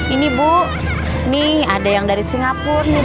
ini bu nih ada yang dari singapura nih